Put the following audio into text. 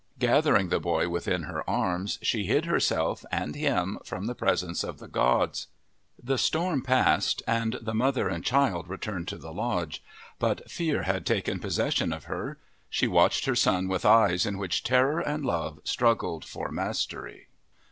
Gathering the boy within her arms, she hid herself and him from the presence of the gods. The storm passed, and the mother and child returned to the lodge, but fear had taken possession of her ; she watched her son with eyes in which terror and love struggled for the mastery.